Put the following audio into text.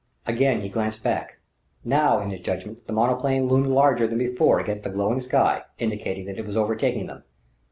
Again he glanced back. Now, in his judgment, the monoplane loomed larger than before against the glowing sky, indicating that it was overtaking them.